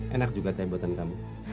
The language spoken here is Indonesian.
enak juga tembakan kamu